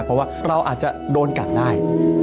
เพราะว่าเราอาจจะโดนกัดได้